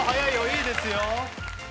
いいですよ。